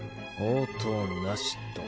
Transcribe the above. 応答なしと。